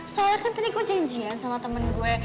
soalnya kan tadi gue janjian sama temen gue